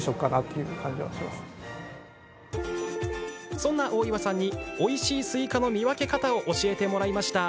そんな大岩さんにおいしいスイカの見分け方を教えてもらいました。